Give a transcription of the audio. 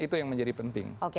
itu yang menjadi penting